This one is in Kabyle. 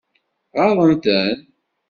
Ɣaḍen-ten?